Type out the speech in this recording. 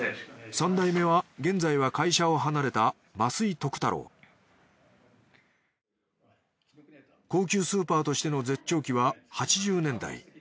３代目は現在は会社を離れた高級スーパーとしての絶頂期は８０年代。